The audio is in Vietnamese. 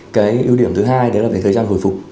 cái ưu điểm thứ hai đấy là cái thời gian hồi phục